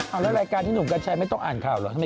เอาละรายการที่หนูกัญชัยไม่ต้องอ่านข่าวหรือล่ะ